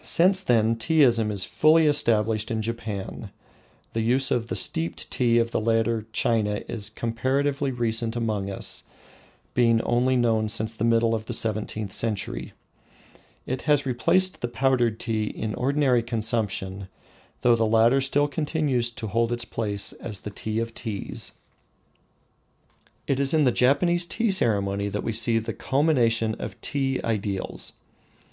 Since then Teaism is fully established in Japan. The use of the steeped tea of the later China is comparatively recent among us, being only known since the middle of the seventeenth century. It has replaced the powdered tea in ordinary consumption, though the latter still continues to hold its place as the tea of teas. It is in the Japanese tea ceremony that we see the culmination of tea ideals.